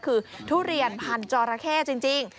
คือทุเรียนพันธุ์จอราเข้จริง